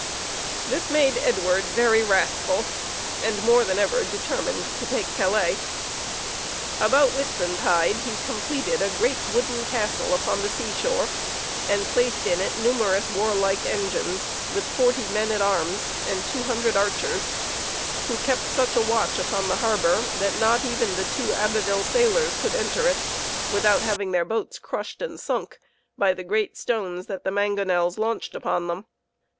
This made Edward very wrathful, and more than ever determined to take Calais. About Whitsuntide he completed a great wooden castle upon the seashore, and placed in it numerous warlike engines, with forty men at arms and 200 archers, who kept such a watch upon the harbor that not even the two Abbeville sailors could enter it, without having their boats crushed and sunk by the great stones that the mangonels launched upon them.